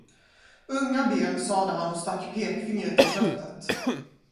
Unga ben, sade han och stack pekfingret i köttet.